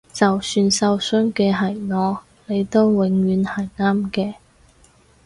就算受傷嘅係我你都永遠係啱嘅